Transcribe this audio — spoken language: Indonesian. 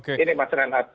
ini mas renat